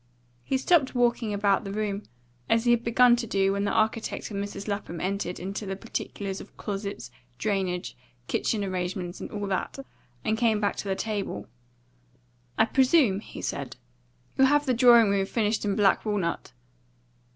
He stopped walking about the room, as he had begun to do when the architect and Mrs. Lapham entered into the particulars of closets, drainage, kitchen arrangements, and all that, and came back to the table. "I presume," he said, "you'll have the drawing room finished in black walnut?"